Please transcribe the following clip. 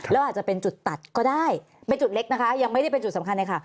แล้วอาจจะเป็นจุดตัดก็ได้เป็นจุดเล็กนะคะยังไม่ได้เป็นจุดสำคัญเลยค่ะ